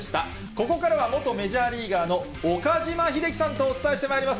ここからは元メジャーリーガーの岡島秀樹さんとお伝えしてまいります。